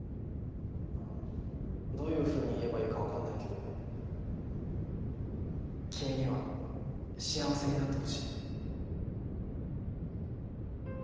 どういうふうに言えばいいかわかんないけど君には幸せになってほしい。